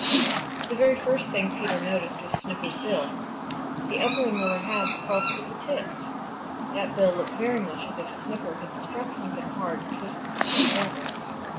The very first thing Peter noticed was Snipper's bill. The upper and lower halves crossed at the tips. That bill looked very much as if Snipper had struck something hard and twisted the tips over.